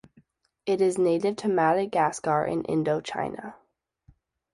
It is native to Madagascar and Indochina.